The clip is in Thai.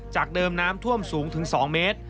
จากเดิมน้ำท่วมสูงถึง๒เมตร